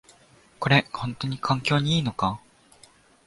これ、ほんとに環境にいいのか？